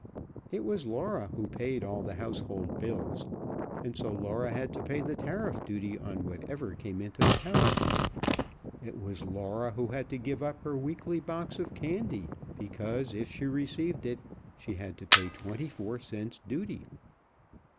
It was Laura who paid all the household bills, and so Laura had to pay the tariff duty on whatever came into the house; it was Laura who had to give up her weekly box of candy because if she received it she had to pay twenty four cents duty.